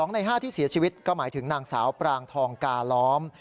ใน๕ที่เสียชีวิตก็หมายถึงนางสาวปรางทองกาล้อม